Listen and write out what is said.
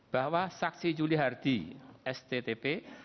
bahwa saksi juli hardy sttp